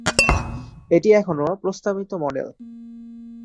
এটি এখনো প্রস্তাবিত মডেল।